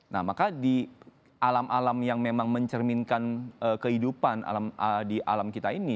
nah maka di alam alam yang memang mencerminkan kehidupan di alam kita ini